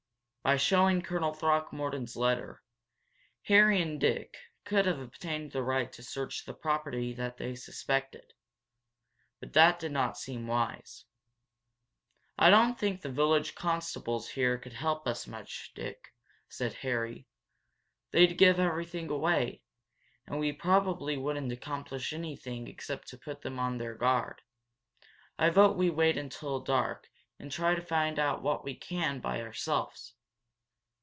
By showing Colonel Throckmorton's letter, Harry and Dick could have obtained the right to search the property that they suspected. But that did not seem wise. "I don't think the village constables here could help us much, Dick," said Harry. "They'd give everything away, and we probably wouldn't accomplish anything except to put them on their guard. I vote we wait until dark and try to find out what we can by ourselves.